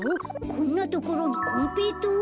こんなところにこんぺいとう？